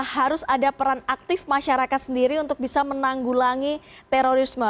harus ada peran aktif masyarakat sendiri untuk bisa menanggulangi terorisme